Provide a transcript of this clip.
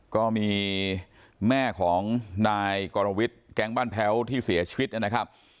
ก็มีแม่ของนายกรวิทย์แก๊งบ้านแพ้วที่เสียชีวิตนะครับ